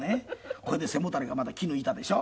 これで背もたれがまだ木の板でしょ。